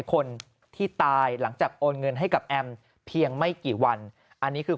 คนที่ตายหลังจากโอนเงินให้กับแอมเพียงไม่กี่วันอันนี้คือ